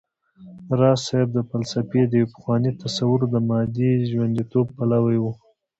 راز صيب د فلسفې د يو پخواني تصور د مادې ژونديتوب پلوی و